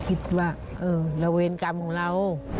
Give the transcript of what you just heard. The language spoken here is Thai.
คิดว่าเออระเวนกรรมของเรา